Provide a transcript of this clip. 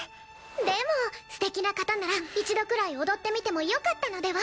でもすてきな方なら一度くらい踊ってみてもよかったのでは？